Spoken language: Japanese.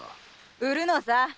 売るのさ！